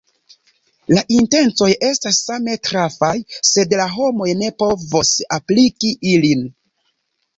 La intencoj estas same trafaj, sed la homoj ne povos apliki ilin.